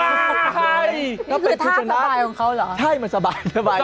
นี่คือท่าสบายของเขาหรือครับใช่มันสบายจริง